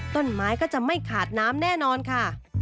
ต้นไม้ก็จะไม่ขาดน้ำแน่นอนค่ะ